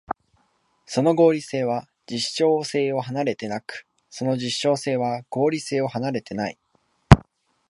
その合理性は実証性を離れてなく、その実証性は合理性を離れてない。